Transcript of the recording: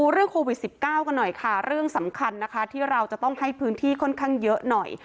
เรื่องโควิด๑๙กันหน่อยค่ะเรื่องสำคัญนะคะที่เราจะต้องให้พื้นที่ค่อนข้างเยอะหน่อย